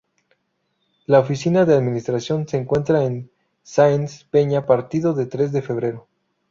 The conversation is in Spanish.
La oficina de administración se encuentra en Sáenz Peña, partido de Tres de Febrero.